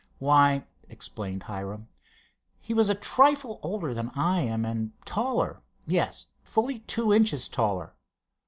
"Why," explained Hiram, "he was a trifle older than I am, and taller; yes, fully two inches taller.